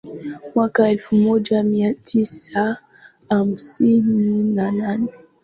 mwaka elfu moja mia tisa hamsini na nne